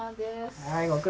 はい。